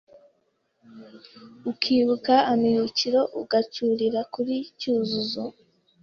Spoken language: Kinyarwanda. Ukibuka "Amibukiro"Ugacyurira kuri "Cyuzuzo"